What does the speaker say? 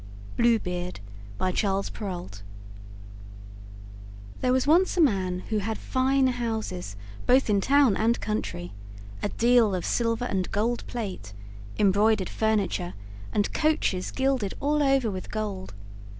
BLUE BEARD By Charles Perrault There was once a man who had fine houses, both in town and country, a deal of silver and gold plate, embroidered furniture, and coaches gilded all over with gold.